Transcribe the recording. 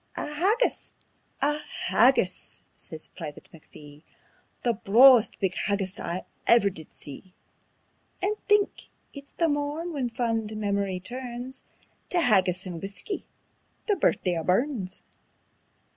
"A haggis! A HAGGIS!" says Private McPhee; "The brawest big haggis I ever did see. And think! it's the morn when fond memory turns Tae haggis and whuskey the Birthday o' Burns.